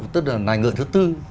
tức là nài ngựa thứ tư